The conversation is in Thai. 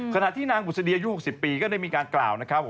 ขณะที่นางบุษดีอายุ๖๐ปีก็ได้มีการกล่าวนะครับ